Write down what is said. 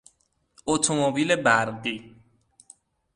اتومبیل برقی